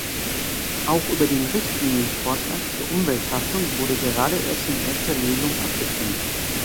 Auch über den Richtlinienvorschlag zur Umwelthaftung wurde gerade erst in erster Lesung abgestimmt.